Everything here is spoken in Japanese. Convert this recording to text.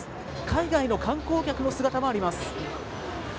海外の観光客の姿もあります。